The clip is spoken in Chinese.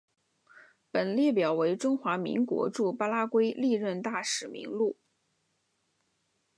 本列表为中华民国驻巴拉圭历任大使名录。